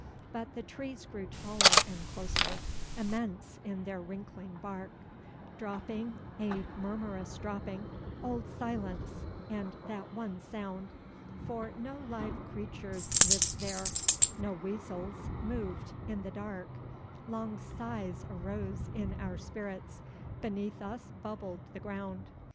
But the trees grew taller and closer, immense in their wrinkling bark; Dropping a murmurous dropping old silence and that one sound; For no live creatures lived there, no weasels moved in the dark Long sighs arose in our spirits, beneath us bubbled the ground.